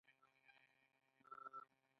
په دې دوره کې د قطب نماء اختراع وشوه.